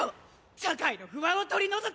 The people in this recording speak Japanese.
社会の不安を取り除け！